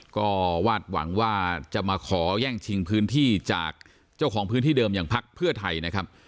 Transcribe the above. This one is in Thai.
ก็วาดหวังว่าจะมาขอแย่งชิงพื้นที่จากเจ้าของพื้นที่เดิมอย่างพักเพื่อไทยนะครับ